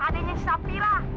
adeknya si sabli lah